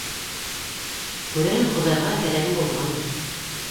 Күрәһең, Хоҙайға кәрәгем булғандыр.